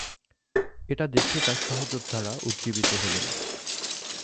এটা দেখে তার সহযোদ্ধারা উজ্জীবিত হলেন।